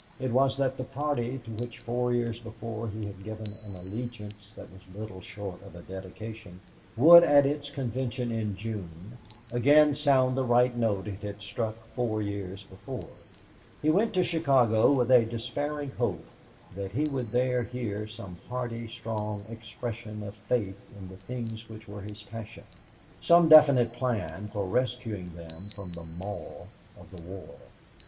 It was that the party, to which four years before he had given an allegiance that was little short of a dedication, would at its convention in June again sound the high note it had struck four years before. He went to Chicago with a despairing hope that he would there hear some hearty, strong expression of faith in the things which were his passion, some definite plan for rescuing them from the maw of the war.